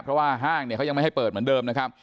เพราะว่าห้างเนี่ยเขายังไม่ให้เปิดเหมือนเดิมนะครับ